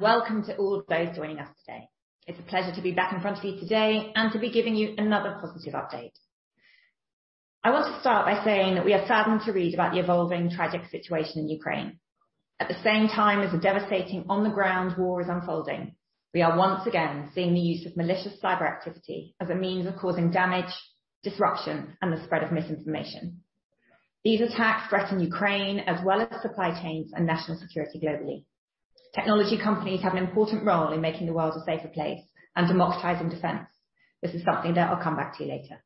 Welcome to all of those joining us today. It's a pleasure to be back in front of you today and to be giving you another positive update. I want to start by saying that we are saddened to read about the evolving tragic situation in Ukraine. At the same time as a devastating on-the-ground war is unfolding, we are once again seeing the use of malicious cyber activity as a means of causing damage, disruption, and the spread of misinformation. These attacks threaten Ukraine as well as supply chains and national security globally. Technology companies have an important role in making the world a safer place and democratizing defense. This is something that I'll come back to later.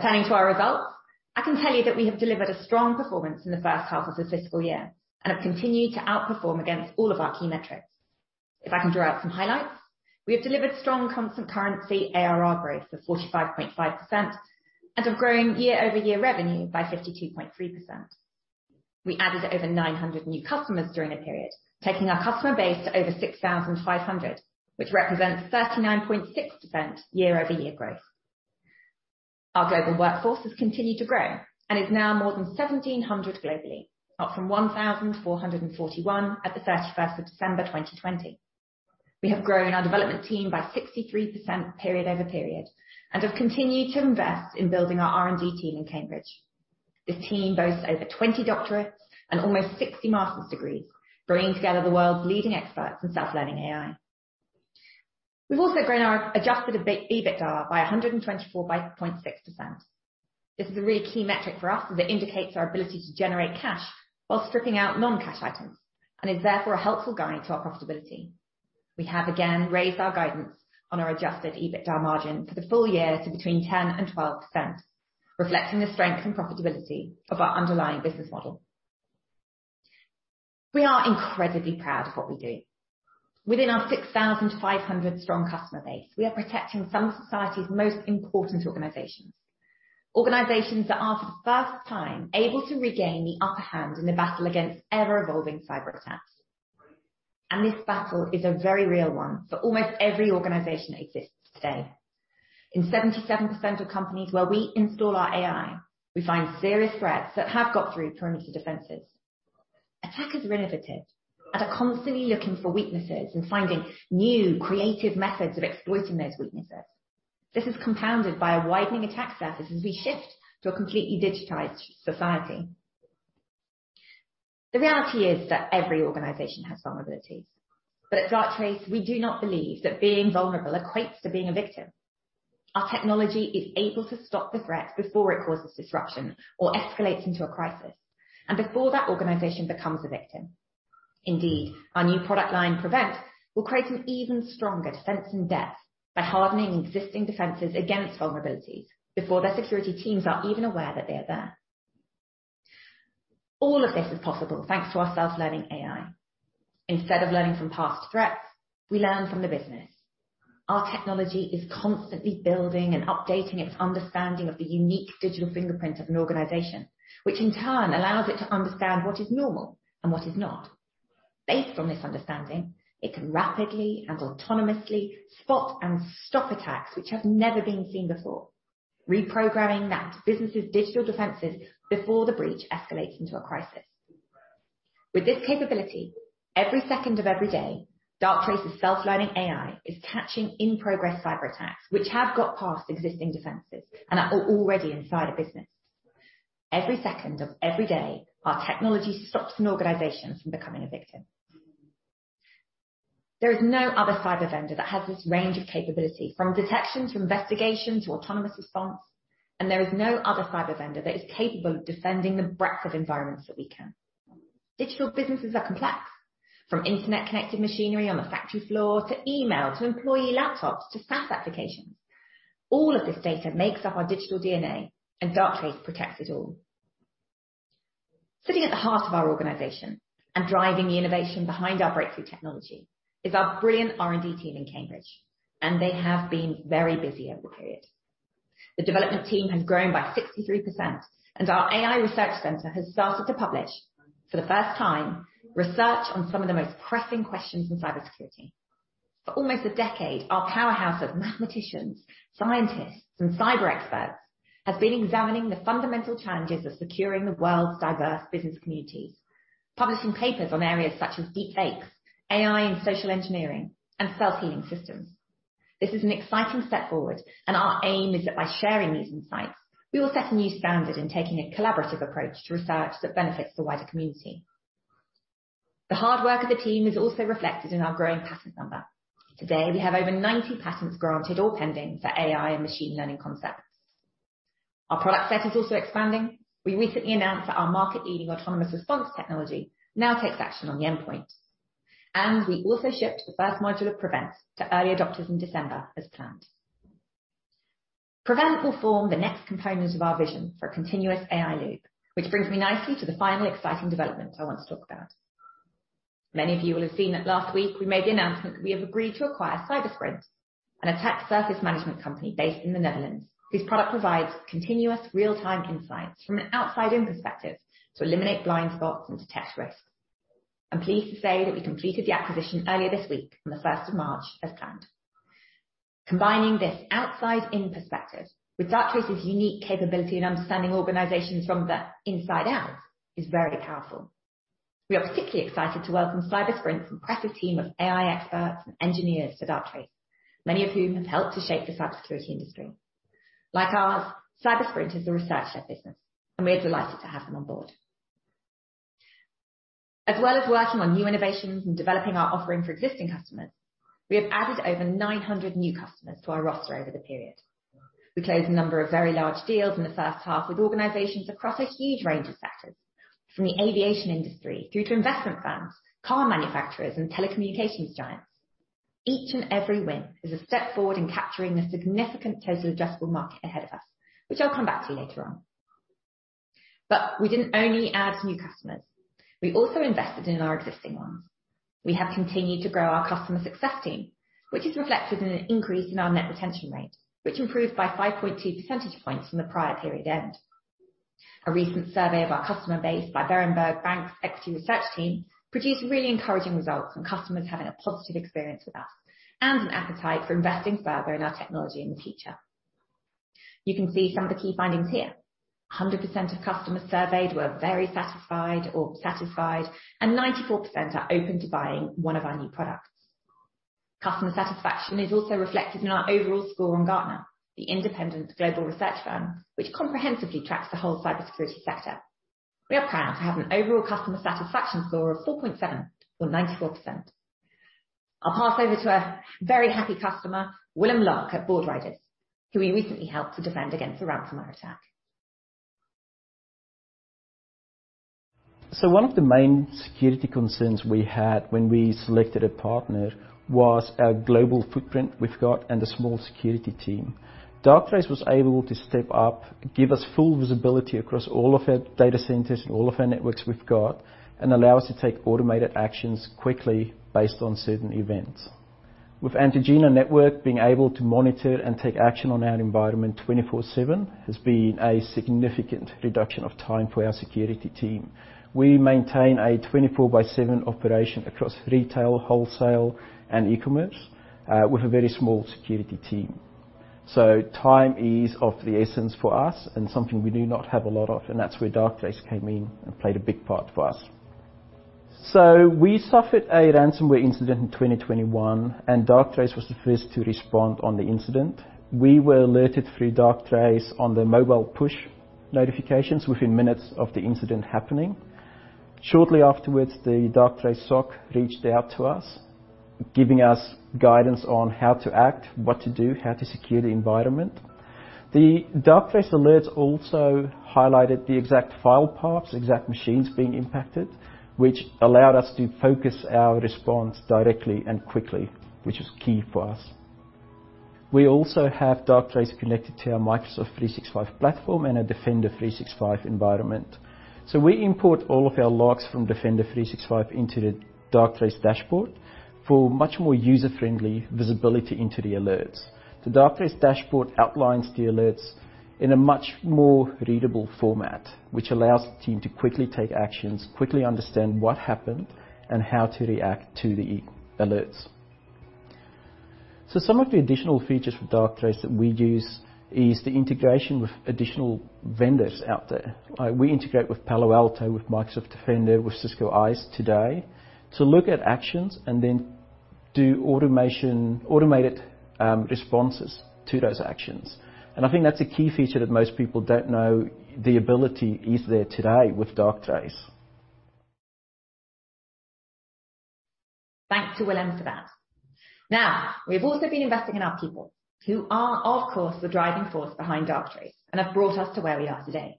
Turning to our results, I can tell you that we have delivered a strong performance in the first half of this fiscal year, and have continued to outperform against all of our key metrics. If I can draw out some highlights, we have delivered strong constant currency ARR growth of 45.5% and have grown year-over-year revenue by 52.3%. We added over 900 new customers during the period, taking our customer base to over 6,500, which represents 39.6% year-over-year growth. Our global workforce has continued to grow and is now more than 1,700 globally, up from 1,441 at the 31st of December 2020. We have grown our development team by 63% period-over-period, and have continued to invest in building our R&D team in Cambridge. This team boasts over 20 doctorates and almost 60 master's degrees, bringing together the world's leading experts in Self-Learning AI. We've also grown our adjusted EBITDA by 124.6%. This is a really key metric for us as it indicates our ability to generate cash while stripping out non-cash items, and is therefore a helpful guide to our profitability. We have again raised our guidance on our adjusted EBITDA margin for the full year to between 10% and 12%, reflecting the strength and profitability of our underlying business model. We are incredibly proud of what we do. Within our 6,500-strong customer base, we are protecting some of society's most important organizations. Organizations that are, for the first time, able to regain the upper hand in the battle against ever-evolving cyber attacks. This battle is a very real one for almost every organization that exists today. In 77% of companies where we install our AI, we find serious threats that have got through perimeter defenses. Attackers are innovative and are constantly looking for weaknesses and finding new creative methods of exploiting those weaknesses. This is compounded by a widening attack surface as we shift to a completely digitized society. The reality is that every organization has vulnerabilities. But at Darktrace, we do not believe that being vulnerable equates to being a victim. Our technology is able to stop the threat before it causes disruption or escalates into a crisis, and before that organization becomes a victim. Indeed, our new product line, PREVENT, will create an even stronger defense in depth by hardening existing defenses against vulnerabilities before their security teams are even aware that they are there. All of this is possible thanks to our Self-Learning AI. Instead of learning from past threats, we learn from the business. Our technology is constantly building and updating its understanding of the unique digital fingerprint of an organization, which in turn allows it to understand what is normal and what is not. Based on this understanding, it can rapidly and autonomously spot and stop attacks which have never been seen before, reprogramming that business's digital defenses before the breach escalates into a crisis. With this capability, every second of every day, Darktrace's Self-Learning AI is catching in-progress cyber attacks, which have got past existing defenses and are already inside a business. Every second of every day, our technology stops an organization from becoming a victim. There is no other cyber vendor that has this range of capability, from detection to investigation to autonomous response, and there is no other cyber vendor that is capable of defending the breadth of environments that we can. Digital businesses are complex. From internet-connected machinery on the factory floor, to email, to employee laptops, to SaaS applications. All of this data makes up our digital DNA, and Darktrace protects it all. Sitting at the heart of our organization and driving the innovation behind our breakthrough technology is our brilliant R&D team in Cambridge, and they have been very busy over the period. The development team has grown by 63%, and our AI research center has started to publish, for the first time, research on some of the most pressing questions in cybersecurity. For almost a decade, our powerhouse of mathematicians, scientists, and cyber experts have been examining the fundamental challenges of securing the world's diverse business communities, publishing papers on areas such as deepfakes, AI and social engineering, and self-healing systems. This is an exciting step forward, and our aim is that by sharing these insights, we will set a new standard in taking a collaborative approach to research that benefits the wider community. The hard work of the team is also reflected in our growing patent number. Today, we have over 90 patents granted or pending for AI and machine learning concepts. Our product set is also expanding. We recently announced that our market-leading autonomous response technology now takes action on the endpoint. We also shipped the first module of PREVENT to early adopters in December as planned. PREVENT will form the next component of our vision for a continuous AI loop, which brings me nicely to the final exciting development I want to talk about. Many of you will have seen that last week we made the announcement that we have agreed to acquire Cybersprint, an attack surface management company based in the Netherlands, whose product provides continuous real-time insights from an outside-in perspective to eliminate blind spots and detect risk. I'm pleased to say that we completed the acquisition earlier this week on the first of March, as planned. Combining this outside-in perspective with Darktrace's unique capability and understanding organizations from the inside out is very powerful. We are particularly excited to welcome Cybersprint's impressive team of AI experts and engineers to Darktrace, many of whom have helped to shape the cybersecurity industry. Like ours, Cybersprint is a research-led business, and we're delighted to have them on board. As well as working on new innovations and developing our offering for existing customers, we have added over 900 new customers to our roster over the period. We closed a number of very large deals in the first half with organizations across a huge range of sectors, from the aviation industry through to investment banks, car manufacturers, and telecommunications giants. Each and every win is a step forward in capturing the significant total addressable market ahead of us, which I'll come back to later on. We didn't only add new customers, we also invested in our existing ones. We have continued to grow our customer success team, which is reflected in an increase in our net retention rate, which improved by 5.2 percentage points from the prior period end. A recent survey of our customer base by Berenberg Bank's equity research team produced really encouraging results on customers having a positive experience with us and an appetite for investing further in our technology in the future. You can see some of the key findings here. 100% of customers surveyed were very satisfied or satisfied, and 94% are open to buying one of our new products. Customer satisfaction is also reflected in our overall score on Gartner, the independent global research firm, which comprehensively tracks the whole cybersecurity sector. We are proud to have an overall customer satisfaction score of 4.7 or 94%. I'll pass over to a very happy customer, Willem Lock at Boardriders, who we recently helped to defend against a ransomware attack. One of the main security concerns we had when we selected a partner was our global footprint we've got and the small security team. Darktrace was able to step up, give us full visibility across all of our data centers and all of our networks we've got and allow us to take automated actions quickly based on certain events. With Antigena Network being able to monitor and take action on our environment 24/7 has been a significant reduction of time for our security team. We maintain a 24/7 operation across retail, wholesale, and e-commerce with a very small security team. Time is of the essence for us and something we do not have a lot of, and that's where Darktrace came in and played a big part for us. We suffered a ransomware incident in 2021, and Darktrace was the first to respond on the incident. We were alerted through Darktrace on the mobile push notifications within minutes of the incident happening. Shortly afterwards, the Darktrace SOC reached out to us, giving us guidance on how to act, what to do, how to secure the environment. The Darktrace alerts also highlighted the exact file paths, exact machines being impacted, which allowed us to focus our response directly and quickly, which was key for us. We also have Darktrace connected to our Microsoft 365 platform and a Defender 365 environment. We import all of our logs from Defender 365 into the Darktrace dashboard for much more user-friendly visibility into the alerts. The Darktrace dashboard outlines the alerts in a much more readable format, which allows the team to quickly take actions, quickly understand what happened, and how to react to the alerts. Some of the additional features for Darktrace that we use is the integration with additional vendors out there. We integrate with Palo Alto, with Microsoft Defender, with Cisco ISE today to look at actions and then do automation, automated responses to those actions. I think that's a key feature that most people don't know the ability is there today with Darktrace. Thanks to Willem for that. Now, we've also been investing in our people, who are of course, the driving force behind Darktrace and have brought us to where we are today.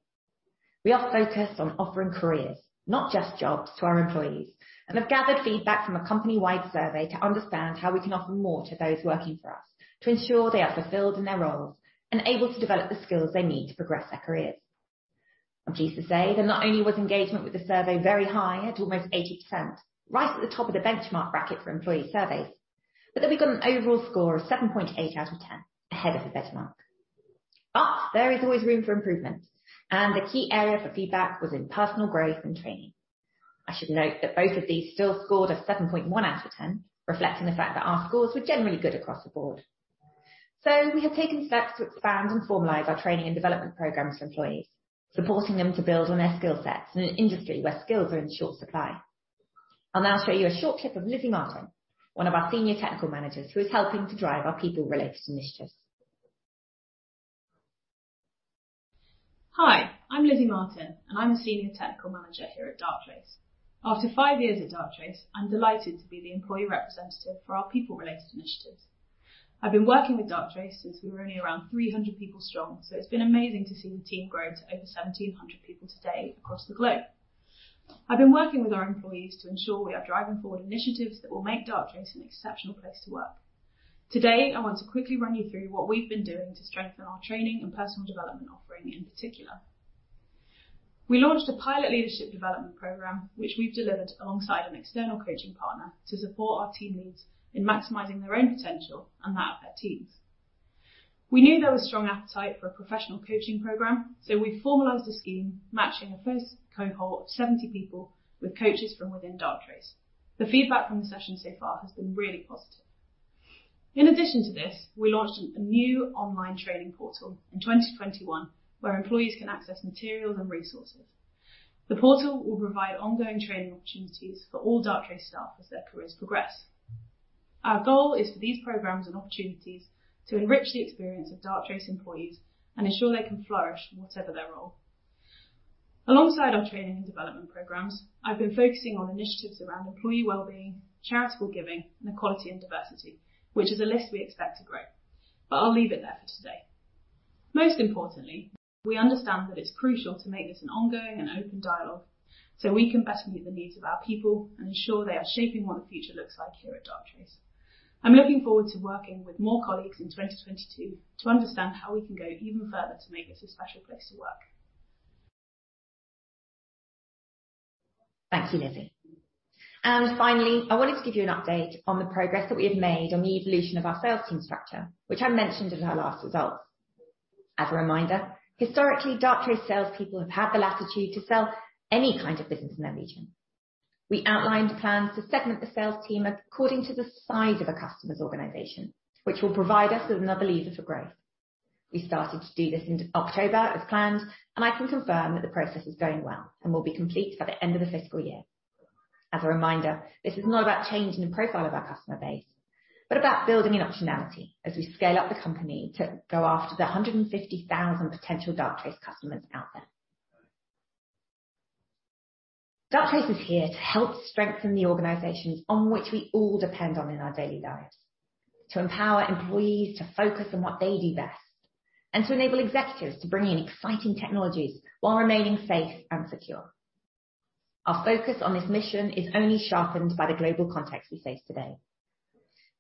We are focused on offering careers, not just jobs, to our employees, and have gathered feedback from a company-wide survey to understand how we can offer more to those working for us to ensure they are fulfilled in their roles and able to develop the skills they need to progress their careers. I'm pleased to say that not only was engagement with the survey very high at almost 80%, right at the top of the benchmark bracket for employee surveys, but that we got an overall score of 7.8 out of 10, ahead of the benchmark. There is always room for improvement, and the key area for feedback was in personal growth and training. I should note that both of these still scored a 7.1 out of 10, reflecting the fact that our scores were generally good across the board. We have taken steps to expand and formalize our training and development programs for employees, supporting them to build on their skill sets in an industry where skills are in short supply. I'll now show you a short clip of Lizzie Martin, one of our senior technical managers who is helping to drive our people-related initiatives. Hi, I'm Lizzie Martin, and I'm a senior technical manager here at Darktrace. After five years at Darktrace, I'm delighted to be the employee representative for our people-related initiatives. I've been working with Darktrace since we were only around 300 people strong, so it's been amazing to see the team grow to over 1,700 people today across the globe. I've been working with our employees to ensure we are driving forward initiatives that will make Darktrace an exceptional place to work. Today, I want to quickly run you through what we've been doing to strengthen our training and personal development offering in particular. We launched a pilot leadership development program, which we've delivered alongside an external coaching partner to support our team leads in maximizing their own potential and that of their teams. We knew there was strong appetite for a professional coaching program, so we formalized a scheme matching a first cohort of 70 people with coaches from within Darktrace. The feedback from the session so far has been really positive. In addition to this, we launched a new online training portal in 2021, where employees can access materials and resources. The portal will provide ongoing training opportunities for all Darktrace staff as their careers progress. Our goal is for these programs and opportunities to enrich the experience of Darktrace employees and ensure they can flourish in whatever their role. Alongside our training and development programs, I've been focusing on initiatives around employee well-being, charitable giving, and equality and diversity, which is a list we expect to grow. I'll leave it there for today. Most importantly, we understand that it's crucial to make this an ongoing and open dialogue so we can better meet the needs of our people and ensure they are shaping what the future looks like here at Darktrace. I'm looking forward to working with more colleagues in 2022 to understand how we can go even further to make this a special place to work. Thank you, Lizzie. Finally, I wanted to give you an update on the progress that we have made on the evolution of our sales team structure, which I mentioned at our last results. As a reminder, historically, Darktrace salespeople have had the latitude to sell any kind of business in their region. We outlined plans to segment the sales team according to the size of a customer's organization, which will provide us with another lever for growth. We started to do this in October as planned, and I can confirm that the process is going well and will be complete by the end of the fiscal year. As a reminder, this is not about changing the profile of our customer base, but about building an optionality as we scale up the company to go after the 150,000 potential Darktrace customers out there. Darktrace is here to help strengthen the organizations on which we all depend on in our daily lives, to empower employees to focus on what they do best, and to enable executives to bring in exciting technologies while remaining safe and secure. Our focus on this mission is only sharpened by the global context we face today.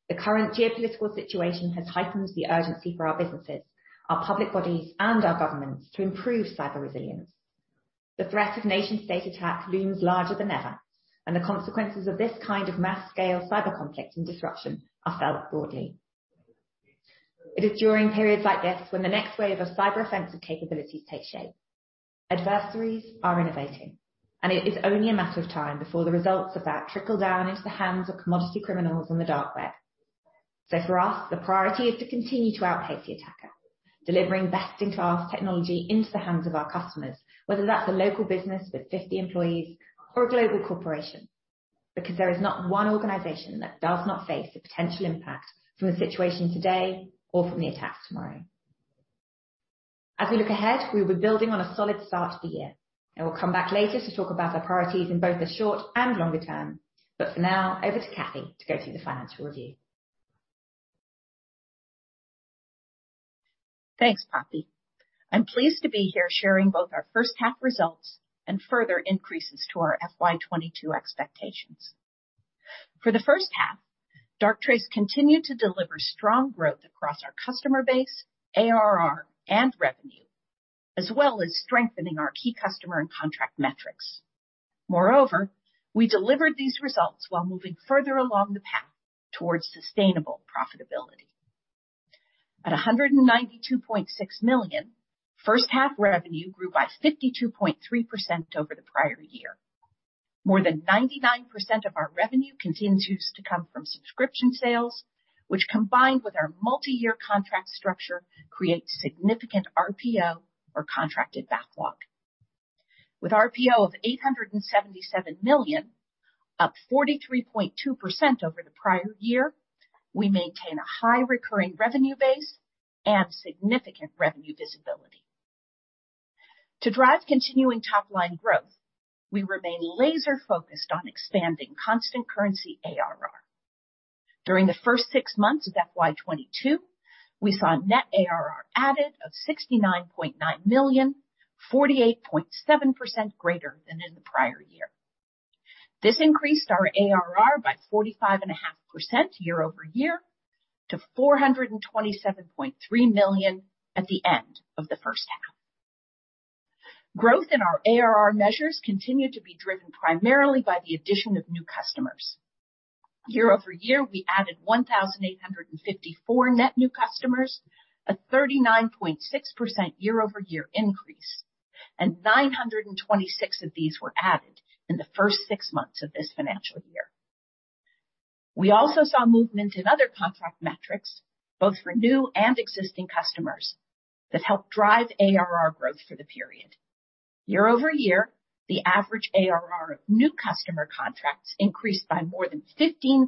The current geopolitical situation has heightened the urgency for our businesses, our public bodies, and our governments to improve cyber resilience. The threat of nation-state attacks looms larger than ever, and the consequences of this kind of mass-scale cyber conflict and disruption are felt broadly. It is during periods like this when the next wave of cyber offensive capabilities take shape. Adversaries are innovating, and it is only a matter of time before the results of that trickle down into the hands of commodity criminals on the dark web. For us, the priority is to continue to outpace the attacker, delivering best-in-class technology into the hands of our customers, whether that's a local business with 50 employees or a global corporation. Because there is not one organization that does not face the potential impact from the situation today or from the attacks tomorrow. As we look ahead, we'll be building on a solid start to the year, and we'll come back later to talk about our priorities in both the short and longer term. For now, over to Cathy to go through the financial review. Thanks, Poppy. I'm pleased to be here sharing both our first half results and further increases to our FY 2022 expectations. For the first half, Darktrace continued to deliver strong growth across our customer base, ARR, and revenue, as well as strengthening our key customer and contract metrics. Moreover, we delivered these results while moving further along the path towards sustainable profitability. At $192.6 million, first half revenue grew by 52.3% over the prior year. More than 99% of our revenue continues to come from subscription sales, which combined with our multi-year contract structure, creates significant RPO or contracted backlog. With RPO of $877 million, up 43.2% over the prior year, we maintain a high recurring revenue base and significant revenue visibility. To drive continuing top-line growth, we remain laser-focused on expanding constant currency ARR. During the first six months of FY 2022, we saw net ARR added of $69.9 million, 48.7% greater than in the prior year. This increased our ARR by 45.5% year-over-year to $427.3 million at the end of the first half. Growth in our ARR measures continued to be driven primarily by the addition of new customers. Year-over-year, we added 1,854 net new customers, a 39.6% year-over-year increase, and 926 of these were added in the first six months of this financial year. We also saw movement in other contract metrics, both for new and existing customers, that helped drive ARR growth for the period. Year-over-year, the average ARR of new customer contracts increased by more than 15%,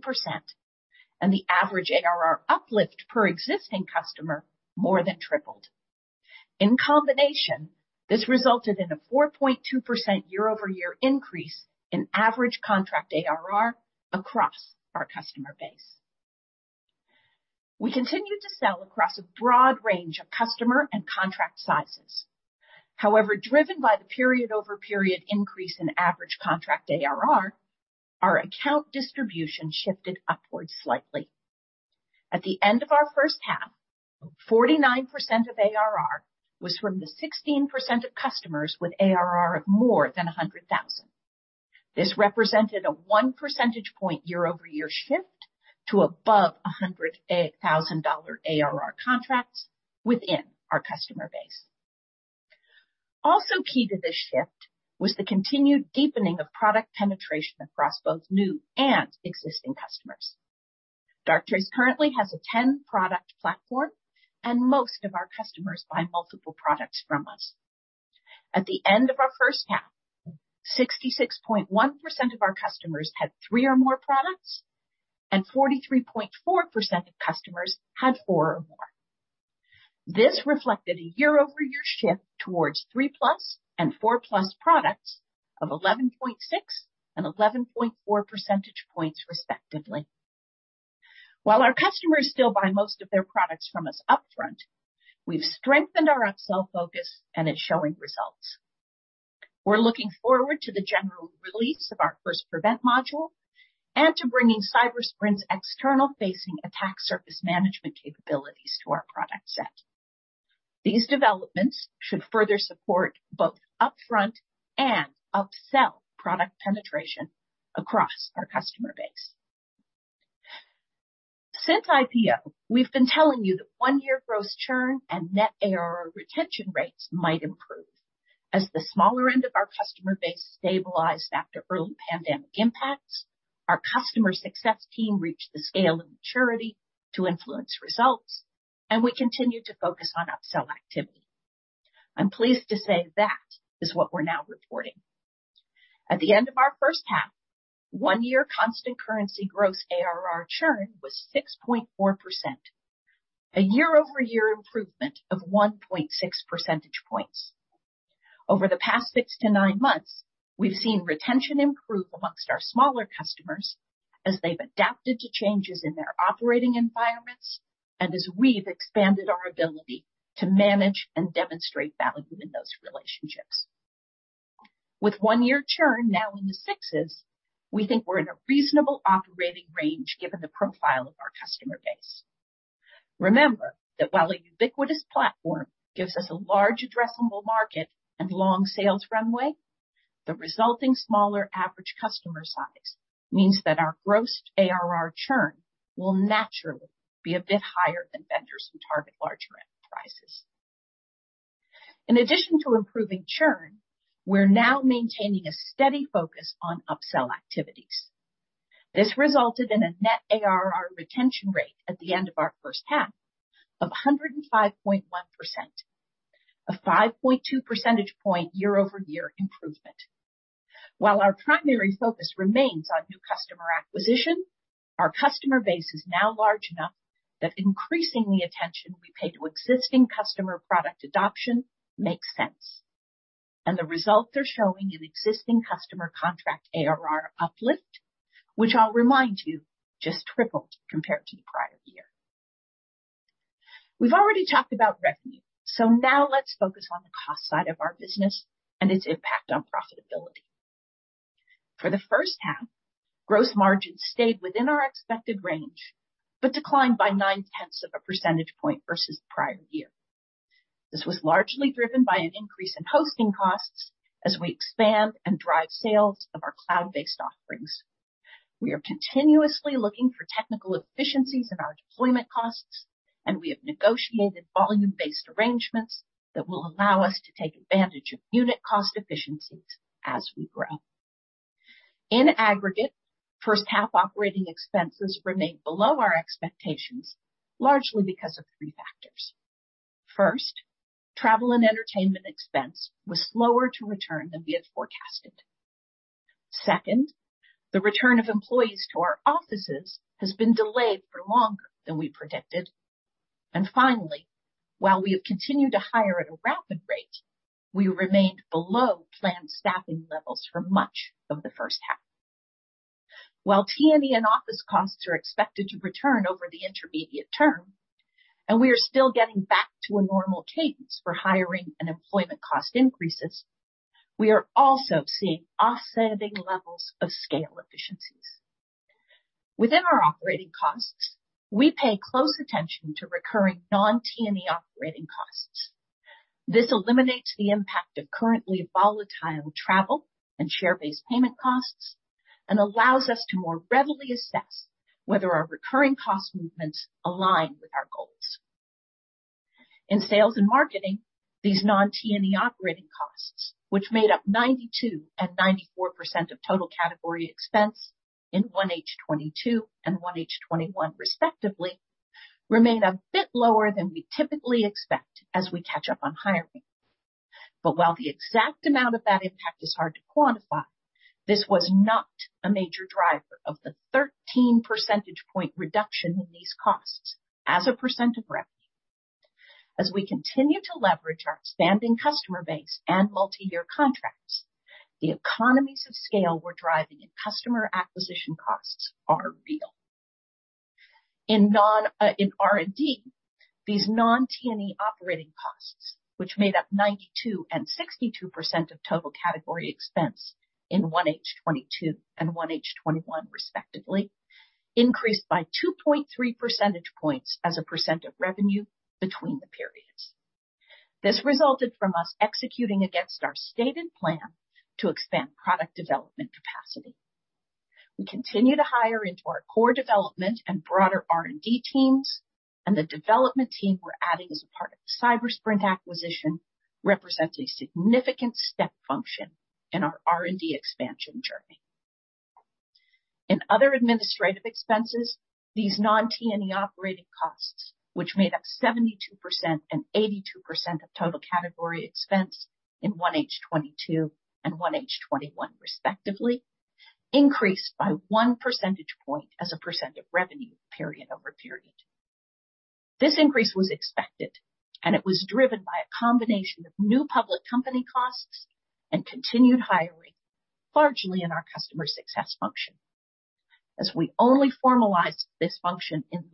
and the average ARR uplift per existing customer more than tripled. In combination, this resulted in a 4.2% year-over-year increase in average contract ARR across our customer base. We continued to sell across a broad range of customer and contract sizes. However, driven by the period-over-period increase in average contract ARR, our account distribution shifted upwards slightly. At the end of our first half, 49% of ARR was from the 16% of customers with ARR of more than $100,000. This represented a one percentage point year-over-year shift to above a hundred thousand dollar ARR contracts within our customer base. Also key to this shift was the continued deepening of product penetration across both new and existing customers. Darktrace currently has a 10-product platform, and most of our customers buy multiple products from us. At the end of our first half, 66.1% of our customers had three or more products, and 43.4% of customers had four or more. This reflected a year-over-year shift towards three-plus and four-plus products of 11.6 and 11.4 percentage points, respectively. While our customers still buy most of their products from us upfront, we've strengthened our upsell focus, and it's showing results. We're looking forward to the general release of our first PREVENT module and to bringing Cybersprint's external-facing attack surface management capabilities to our product set. These developments should further support both upfront and upsell product penetration across our customer base. Since IPO, we've been telling you that one-year gross churn and net ARR retention rates might improve. As the smaller end of our customer base stabilized after early pandemic impacts, our customer success team reached the scale and maturity to influence results, and we continued to focus on upsell activity. I'm pleased to say that is what we're now reporting. At the end of our first half, 1-year constant currency gross ARR churn was 6.4%, a year-over-year improvement of 1.6 percentage points. Over the past six to nine months, we've seen retention improve among our smaller customers as they've adapted to changes in their operating environments and as we've expanded our ability to manage and demonstrate value in those relationships. With 1-year churn now in the sixes, we think we're in a reasonable operating range given the profile of our customer base. Remember that while a ubiquitous platform gives us a large addressable market and long sales runway, the resulting smaller average customer size means that our gross ARR churn will naturally be a bit higher than vendors who target larger enterprises. In addition to improving churn, we're now maintaining a steady focus on upsell activities. This resulted in a net ARR retention rate at the end of our first half of 105.1%, a 5.2 percentage point year-over-year improvement. While our primary focus remains on new customer acquisition, our customer base is now large enough that increasing the attention we pay to existing customer product adoption makes sense. The results are showing an existing customer contract ARR uplift, which I'll remind you, just tripled compared to the prior year. We've already talked about revenue, so now let's focus on the cost side of our business and its impact on profitability. For the first half, gross margins stayed within our expected range, but declined by nine-tenths of a percentage point versus the prior year. This was largely driven by an increase in hosting costs as we expand and drive sales of our cloud-based offerings. We are continuously looking for technical efficiencies in our deployment costs, and we have negotiated volume-based arrangements that will allow us to take advantage of unit cost efficiencies as we grow. In aggregate, first half operating expenses remained below our expectations, largely because of three factors. First, travel and entertainment expense was slower to return than we had forecasted. Second, the return of employees to our offices has been delayed for longer than we predicted. Finally, while we have continued to hire at a rapid rate, we remained below planned staffing levels for much of the first half. While T&E and office costs are expected to return over the intermediate term, and we are still getting back to a normal cadence for hiring and employment cost increases, we are also seeing offsetting levels of scale efficiencies. Within our operating costs, we pay close attention to recurring non-T&E operating costs. This eliminates the impact of currently volatile travel and share-based payment costs and allows us to more readily assess whether our recurring cost movements align with our goals. In sales and marketing, these non-T&E operating costs, which made up 92% and 94% of total category expense in 1H 2022 and 1H 2021, respectively, remained a bit lower than we typically expect as we catch up on hiring. While the exact amount of that impact is hard to quantify, this was not a major driver of the 13 percentage point reduction in these costs as a percent of revenue. As we continue to leverage our expanding customer base and multi-year contracts, the economies of scale we're driving in customer acquisition costs are real. In R&D, these non-T&E operating costs, which made up 92% and 62% of total category expense in 1H 2022 and 1H 2021, respectively, increased by 2.3 percentage points as a percent of revenue between the periods. This resulted from us executing against our stated plan to expand product development capacity. We continue to hire into our core development and broader R&D teams, and the development team we're adding as a part of the Cybersprint acquisition represents a significant step function in our R&D expansion journey. In other administrative expenses, these non-T&E operating costs, which made up 72% and 82% of total category expense in 1H 2022 and 1H 2021, respectively, increased by one percentage point as a percent of revenue period-over-period. This increase was expected, and it was driven by a combination of new public company costs and continued hiring, largely in our customer success function. As we only formalized this function in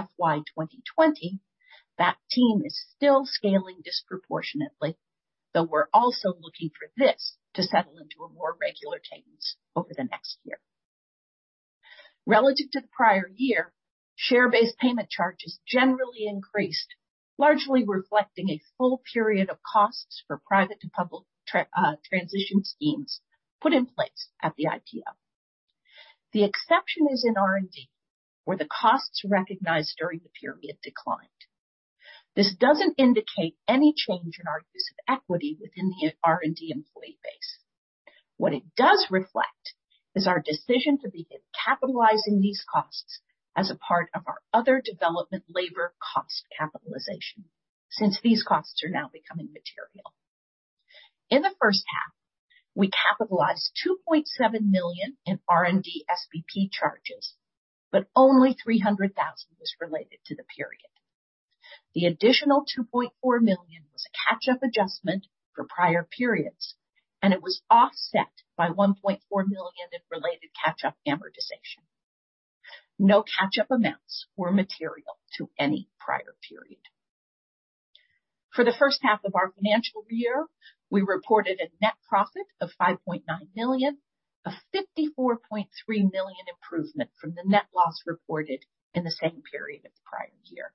late FY 2020, that team is still scaling disproportionately, though we're also looking for this to settle into a more regular cadence over the next year. Relative to the prior year, share-based payment charges generally increased, largely reflecting a full period of costs for private to public transition schemes put in place at the IPO. The exception is in R&D, where the costs recognized during the period declined. This doesn't indicate any change in our use of equity within the R&D employee base. What it does reflect is our decision to begin capitalizing these costs as a part of our other development labor cost capitalization, since these costs are now becoming material. In the first half, we capitalized 2.7 million in R&D SBP charges, but only 300,000 was related to the period. The additional 2.4 million was a catch-up adjustment for prior periods, and it was offset by 1.4 million in related catch-up amortization. No catch-up amounts were material to any prior period. For the first half of our financial year, we reported a net profit of 5.9 million, a 54.3 million improvement from the net loss reported in the same period of the prior year.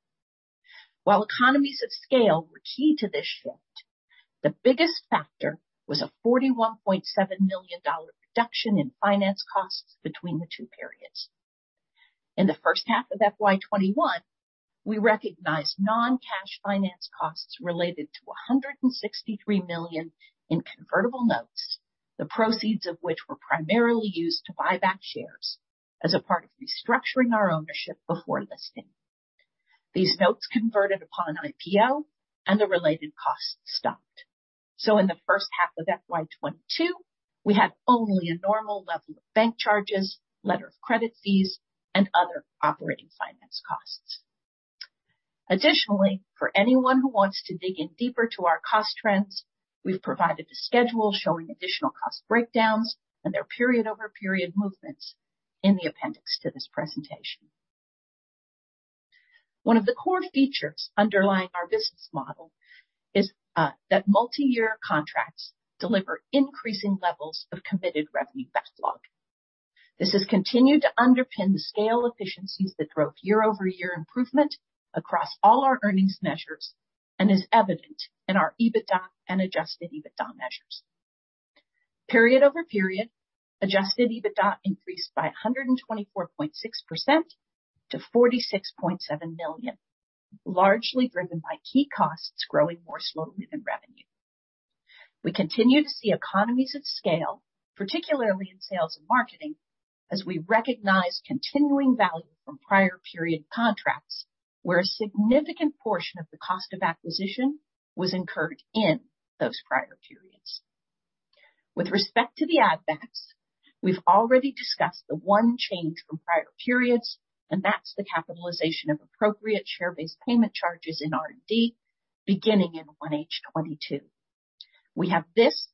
While economies of scale were key to this shift, the biggest factor was a $41.7 million reduction in finance costs between the two periods. In the first half of FY 2021, we recognized non-cash finance costs related to $163 million in convertible notes, the proceeds of which were primarily used to buy back shares as a part of restructuring our ownership before listing. These notes converted upon IPO and the related costs stopped. In the first half of FY 2022, we had only a normal level of bank charges, letter of credit fees, and other operating finance costs. Additionally, for anyone who wants to dig in deeper to our cost trends, we've provided a schedule showing additional cost breakdowns and their period-over-period movements in the appendix to this presentation. One of the core features underlying our business model is that multi-year contracts deliver increasing levels of committed revenue backlog. This has continued to underpin the scale efficiencies that drove year-over-year improvement across all our earnings measures, and is evident in our EBITDA and adjusted EBITDA measures. Period-over-period, adjusted EBITDA increased by 124.6% to 46.7 million, largely driven by key costs growing more slowly than revenue. We continue to see economies of scale, particularly in sales and marketing, as we recognize continuing value from prior period contracts, where a significant portion of the cost of acquisition was incurred in those prior periods. With respect to the add backs, we've already discussed the one change from prior periods, and that's the capitalization of appropriate share-based payment charges in R&D beginning in 1H 2022. We have this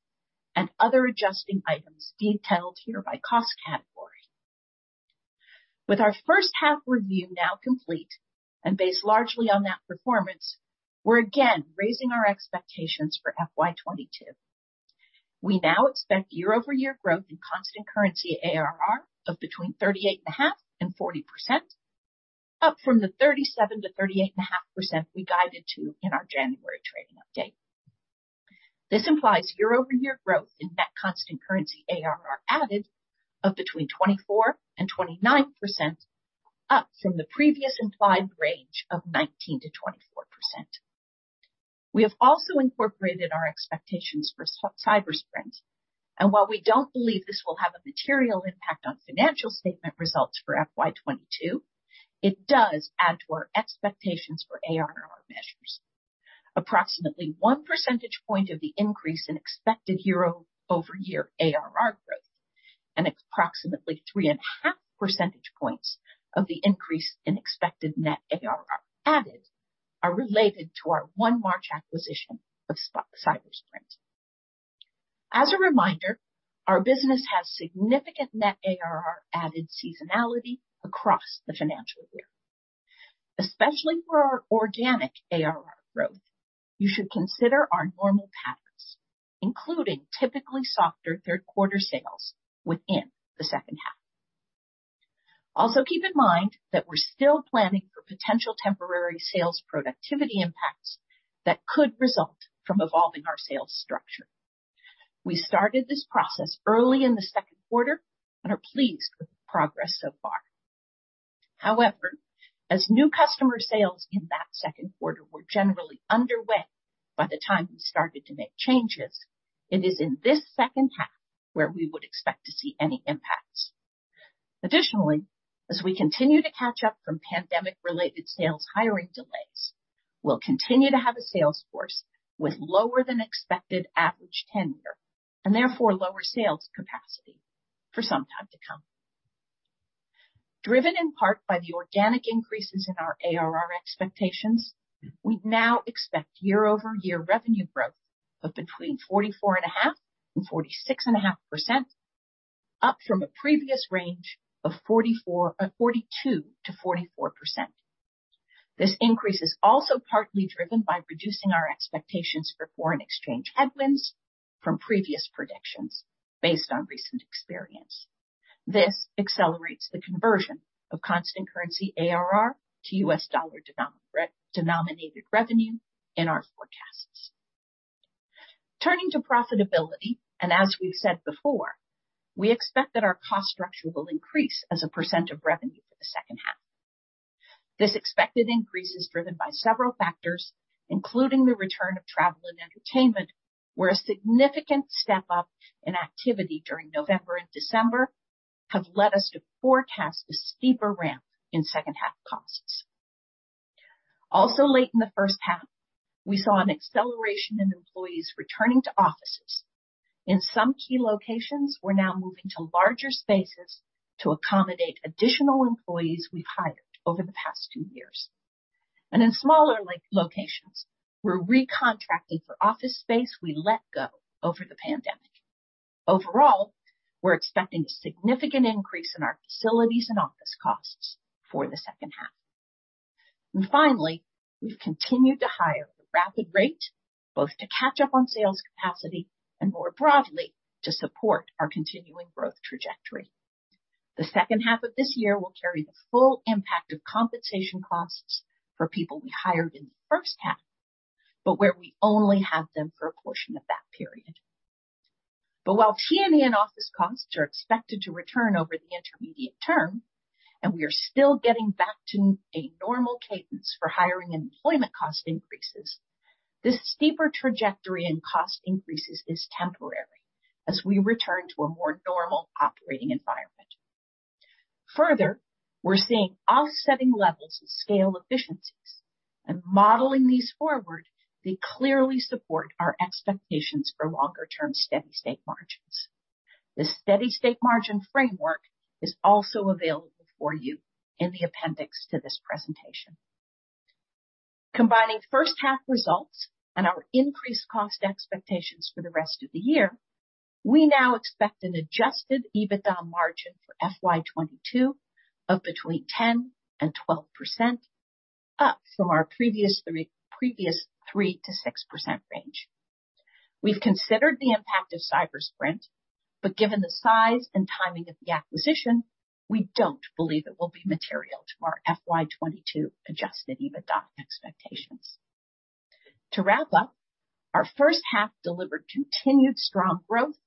and other adjusting items detailed here by cost category. With our first half review now complete, and based largely on that performance, we're again raising our expectations for FY 2022. We now expect year-over-year growth in constant currency ARR of between 38.5% and 40%, up from the 37%-38.5% we guided to in our January trading update. This implies year-over-year growth in net constant currency ARR added of between 24% and 29%, up from the previous implied range of 19%-24%. We have also incorporated our expectations for Cybersprint. While we don't believe this will have a material impact on financial statement results for FY 2022, it does add to our expectations for ARR measures. Approximately 1 percentage point of the increase in expected year-over-year ARR growth and approximately 3.5 percentage points of the increase in expected net ARR added are related to our 1 March acquisition of Cybersprint. As a reminder, our business has significant net ARR added seasonality across the financial year. Especially for our organic ARR growth, you should consider our normal patterns, including typically softer third quarter sales within the second half. Also, keep in mind that we're still planning for potential temporary sales productivity impacts that could result from evolving our sales structure. We started this process early in the second quarter and are pleased with the progress so far. However, as new customer sales in that second quarter were generally underway by the time we started to make changes, it is in this second half where we would expect to see any impacts. Additionally, as we continue to catch up from pandemic-related sales hiring delays, we'll continue to have a sales force with lower than expected average tenure and therefore lower sales capacity for some time to come. Driven in part by the organic increases in our ARR expectations, we now expect year-over-year revenue growth of between 44.5% and 46.5%, up from a previous range of 42%-44%. This increase is also partly driven by reducing our expectations for foreign exchange headwinds from previous predictions based on recent experience. This accelerates the conversion of constant currency ARR to US dollar denominated revenue in our forecasts. Turning to profitability, as we've said before, we expect that our cost structure will increase as a percent of revenue for the second half. This expected increase is driven by several factors, including the return of travel and entertainment, where a significant step up in activity during November and December have led us to forecast a steeper ramp in second half costs. Also, late in the first half, we saw an acceleration in employees returning to offices. In some key locations, we're now moving to larger spaces to accommodate additional employees we've hired over the past two years. In smaller locations, we're recontracting for office space we let go over the pandemic. Overall, we're expecting a significant increase in our facilities and office costs for the second half. Finally, we've continued to hire at a rapid rate, both to catch up on sales capacity and more broadly to support our continuing growth trajectory. The second half of this year will carry the full impact of compensation costs for people we hired in the first half, but where we only have them for a portion of that period. While T&E and office costs are expected to return over the intermediate term, and we are still getting back to a normal cadence for hiring and employment cost increases, this steeper trajectory and cost increases is temporary as we return to a more normal operating environment. Further, we're seeing offsetting levels of scale efficiencies and modeling these forward, they clearly support our expectations for longer-term steady-state margins. The steady-state margin framework is also available for you in the appendix to this presentation. Combining first half results and our increased cost expectations for the rest of the year, we now expect an adjusted EBITDA margin for FY 2022 of between 10%-12%, up from our previous 3%-6% range. We've considered the impact of Cybersprint, but given the size and timing of the acquisition, we don't believe it will be material to our FY 2022 adjusted EBITDA expectations. To wrap up, our first half delivered continued strong growth,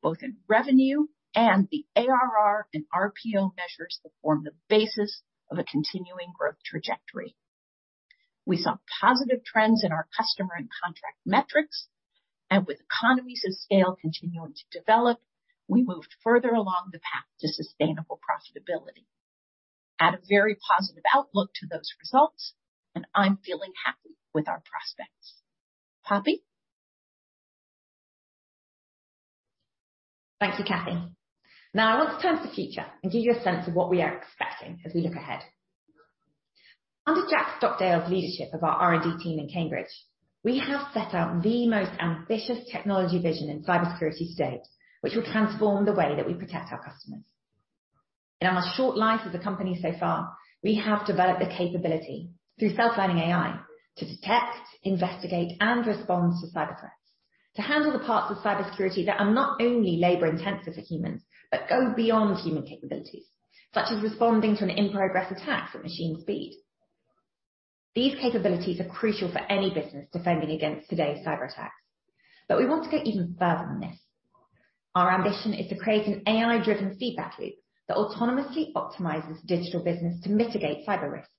both in revenue and the ARR and RPO measures that form the basis of a continuing growth trajectory. We saw positive trends in our customer and contract metrics, and with economies of scale continuing to develop, we moved further along the path to sustainable profitability. Add a very positive outlook to those results, and I'm feeling happy with our prospects. Poppy? Thank you, Cathy. Now I want to turn to the future and give you a sense of what we are expecting as we look ahead. Under Jack Stockdale's leadership of our R&D team in Cambridge, we have set out the most ambitious technology vision in cybersecurity to date, which will transform the way that we protect our customers. In our short life as a company so far, we have developed the capability through self-learning AI to detect, investigate, and respond to cyber threats, to handle the parts of cybersecurity that are not only labor-intensive for humans, but go beyond human capabilities, such as responding to an in-progress attack at machine speed. These capabilities are crucial for any business defending against today's cyberattacks, but we want to go even further than this. Our ambition is to create an AI-driven feedback loop that autonomously optimizes digital business to mitigate cyber risk.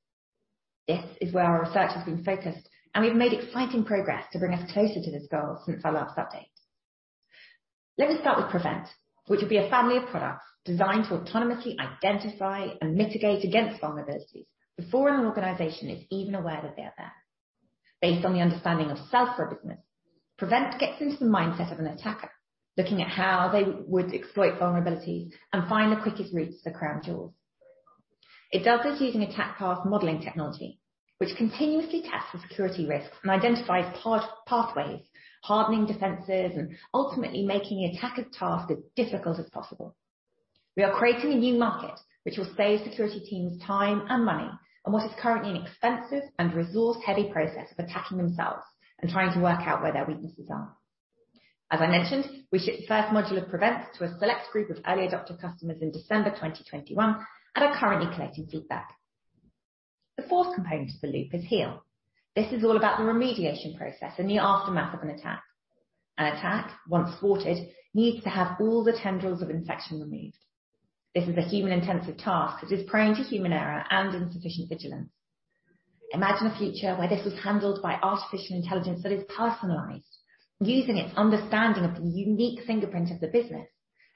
This is where our research has been focused, and we've made exciting progress to bring us closer to this goal since our last update. Let me start with PREVENT, which will be a family of products designed to autonomously identify and mitigate against vulnerabilities before an organization is even aware that they are there. Based on the understanding of the self of a business, PREVENT gets into the mindset of an attacker, looking at how they would exploit vulnerabilities and find the quickest routes to the crown jewels. It does this using attack path modeling technology, which continuously tests the security risks and identifies attack pathways, hardening defenses, and ultimately making the attacker's task as difficult as possible. We are creating a new market which will save security teams time and money on what is currently an expensive and resource-heavy process of attacking themselves and trying to work out where their weaknesses are. As I mentioned, we shipped the first module of PREVENT to a select group of early adopter customers in December 2021, and are currently collecting feedback. The fourth component of the loop is Heal. This is all about the remediation process in the aftermath of an attack. An attack, once thwarted, needs to have all the tendrils of infection removed. This is a human-intensive task that is prone to human error and insufficient vigilance. Imagine a future where this was handled by artificial intelligence that is personalized. Using its understanding of the unique fingerprint of the business,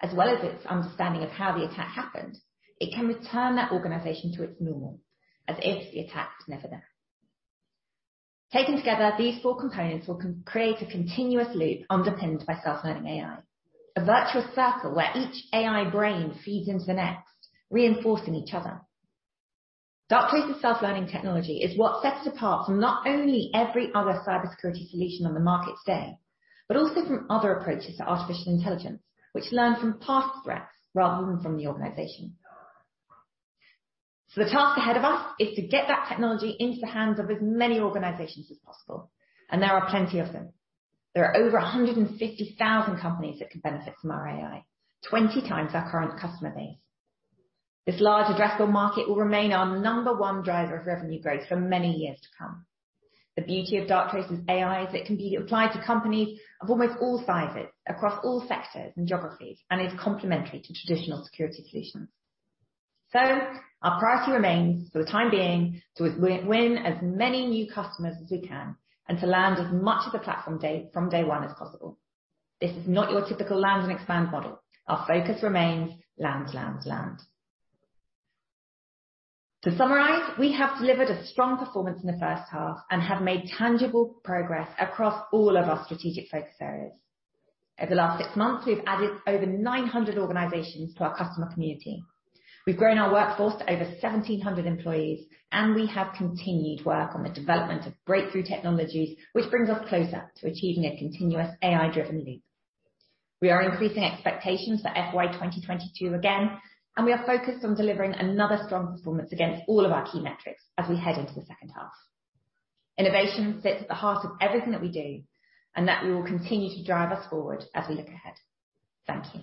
as well as its understanding of how the attack happened, it can return that organization to its normal, as if the attack was never there. Taken together, these four components will co-create a continuous loop underpinned by Self-Learning AI. A virtuous circle where each AI brain feeds into the next, reinforcing each other. Darktrace's Self-Learning technology is what sets it apart from not only every other cybersecurity solution on the market today, but also from other approaches to artificial intelligence, which learn from past threats rather than from the organization. The task ahead of us is to get that technology into the hands of as many organizations as possible, and there are plenty of them. There are over 150,000 companies that could benefit from our AI, 20 times our current customer base. This large addressable market will remain our number one driver of revenue growth for many years to come. The beauty of Darktrace's AI is it can be applied to companies of almost all sizes across all sectors and geographies, and is complementary to traditional security solutions. Our priority remains, for the time being, to win as many new customers as we can, and to land as much of the platform from day one as possible. This is not your typical land and expand model. Our focus remains land, land. To summarize, we have delivered a strong performance in the first half and have made tangible progress across all of our strategic focus areas. Over the last six months, we've added over 900 organizations to our customer community. We've grown our workforce to over 1,700 employees, and we have continued work on the development of breakthrough technologies, which brings us closer to achieving a continuous AI-driven loop. We are increasing expectations for FY 2022 again, and we are focused on delivering another strong performance against all of our key metrics as we head into the second half. Innovation sits at the heart of everything that we do, and that will continue to drive us forward as we look ahead. Thank you.